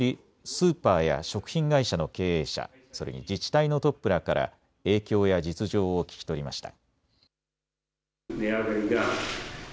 スーパーや食品会社の経営者それに自治体のトップらから影響や実情を聴き取りました。